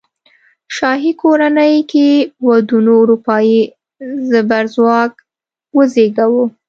شاهي کورنۍ کې ودونو اروپايي زبرځواک وزېږاوه.